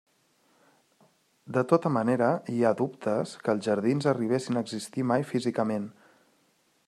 De tota manera, hi ha dubtes que els jardins arribessin a existir mai físicament.